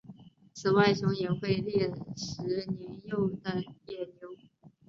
此外熊也会猎食年幼的野牛。